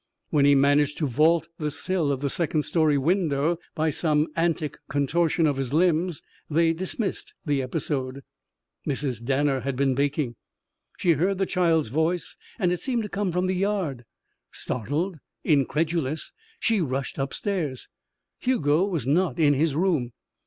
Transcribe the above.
When he managed to vault the sill of the second story window by some antic contortion of his limbs, they dismissed the episode. Mrs. Danner had been baking. She heard the child's voice and it seemed to come from the yard. Startled, incredulous, she rushed upstairs. Hugo was not in his room.